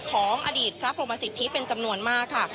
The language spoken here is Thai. ของอดีตพระพรหมสิทธิเป็นจำนวนมากค่ะ